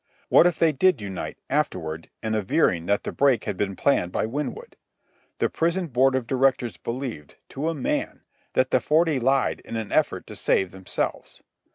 What if they did unite, afterward, in averring that the break had been planned by Winwood? The Prison Board of Directors believed, to a man, that the forty lied in an effort to save themselves.